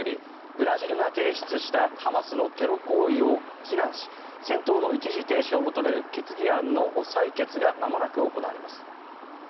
ブラジルが提出したハマスのテロ行為を非難し戦闘の一時停止を求める決議案の採決が、まもなく行われます。